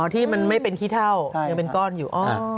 ที่มันไม่เป็นขี้เท่ายังเป็นก้อนอยู่